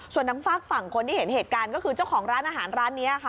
ส่วนทางฝากฝั่งคนที่เห็นเหตุการณ์ก็คือเจ้าของร้านอาหารร้านนี้ค่ะ